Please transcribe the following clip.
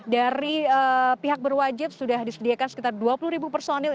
dari pihak berwajib sudah disediakan sekitar dua puluh ribu personil